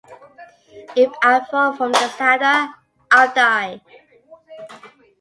If I fall from this ladder, I’ll die.